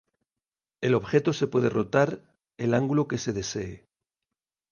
El objeto se puede rotar el ángulo que se desee.